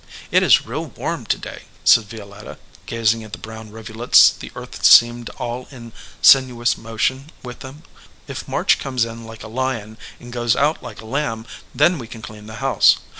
"It is real warm to day," said Violetta, gazing at the brown rivulets the earth seemed all in sinu ous motion with them. "If March comes in like a lion and goes out like a lamb, then we can clean the house.